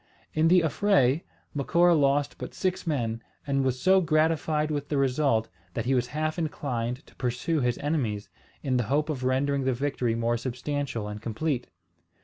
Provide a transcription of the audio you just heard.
In the affray, Macora lost but six men, and was so gratified with the result that he was half inclined to pursue his enemies, in the hope of rendering the victory more substantial and complete.